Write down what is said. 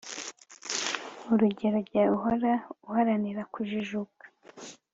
Urugero Jya uhora uharanira kujijuka